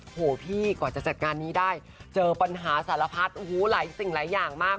โหพี่กว่าจะจัดงานนี้ได้เจอปัญหาสารพัดโอ้โหหลายสิ่งหลายอย่างมาก